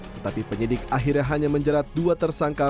tetapi penyidik akhirnya hanya menjerat dua tersangka